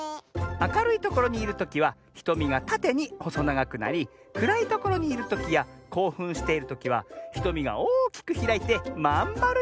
あかるいところにいるときはひとみがたてにほそながくなりくらいところにいるときやこうふんしているときはひとみがおおきくひらいてまんまるになるのミズ！